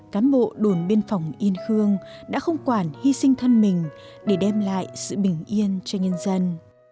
cám bộ đồn biên phòng yên khương đã không quản hy sinh thân mình để đem lại sự bình yên cho nhân dân